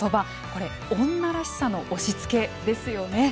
これ、女らしさの押しつけですよね。